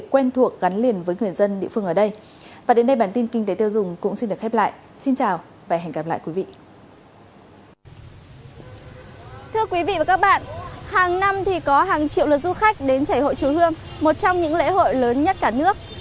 thưa quý vị và các bạn hàng năm thì có hàng triệu lượt du khách đến chảy hội chùa hương một trong những lễ hội lớn nhất cả nước